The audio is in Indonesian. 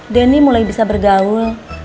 denny mulai bisa bergaul